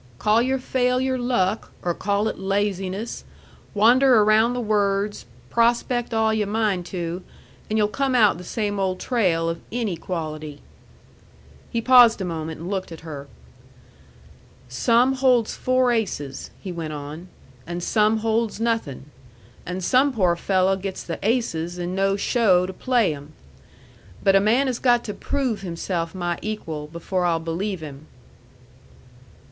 call your failure luck, or call it laziness, wander around the words, prospect all yu' mind to, and yu'll come out the same old trail of inequality." He paused a moment and looked at her. "Some holds four aces," he went on, "and some holds nothin', and some poor fello' gets the aces and no show to play 'em; but a man has got to prove himself my equal before I'll believe him."